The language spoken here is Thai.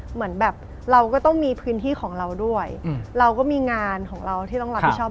เหมือนแบบเราก็ต้องมีพื้นที่ของเราด้วยเราก็มีงานของเราที่ต้องรับผิดชอบ